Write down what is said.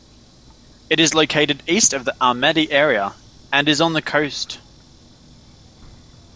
It is located east of the Ahmadi area and is on the coast.